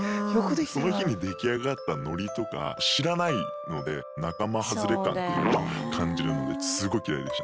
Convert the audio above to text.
その日に出来上がったノリとか知らないので仲間外れ感というのを感じるのですごい嫌いでしたね。